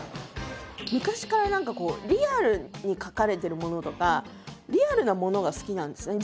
昔から何かこうリアルに描かれてるものとかリアルなものが好きなんですね。